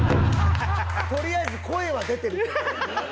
とりあえず声は出てるけど。